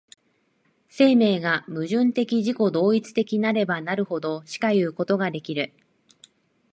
生命が矛盾的自己同一的なればなるほどしかいうことができる。